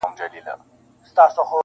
هغه مینه مړه سوه چي مي هیله نڅېده ورته-